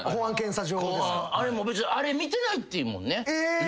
あれ別にあれ見てないっていうもんね。